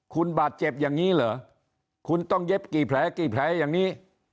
คุณบาดเจ็บอย่างนี้เหรอคุณต้องเย็บกี่แผลกี่แผลอย่างนี้